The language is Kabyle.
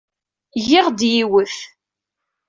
Giɣ-d yiwet.